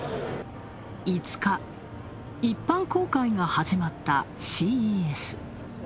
５日、一般公開が始まったＣＥＳ。